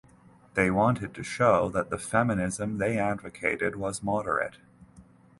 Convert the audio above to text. They wanted to show that the feminism they advocated was moderate.